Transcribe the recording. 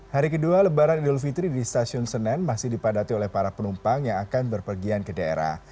hari kedua lebaran idul fitri di stasiun senen masih dipadati oleh para penumpang yang akan berpergian ke daerah